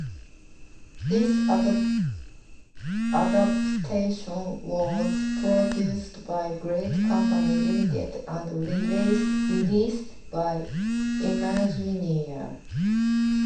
This adaptation was produced by Great Company, Limited, and released by Imagineer.